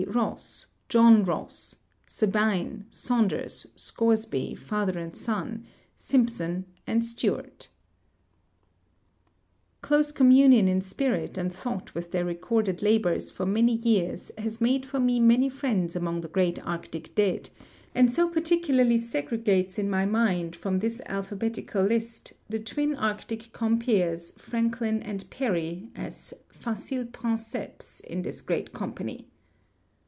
Ross. Jolm Ross. Sabine, Saunders, Scoresby, father and son ; Simpson, and Stewart. SCOPE AND VALVE OF ARCTIC EXPLORATIONS 39 Close communion in spirit and thought with their recorded labors for many years has made for me many friends among the great Arctic dead, and so particularly segregates in my mind, from this alphabetical list, the twin Arctic compeers, Franklin and Parry, sls facile princeps in this great company.